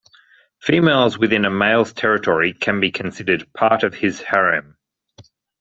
Females within a male's territory can be considered part of his harem.